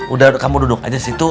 udah kamu duduk aja situ